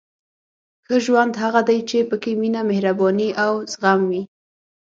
• ښه ژوند هغه دی چې پکې مینه، مهرباني او زغم وي.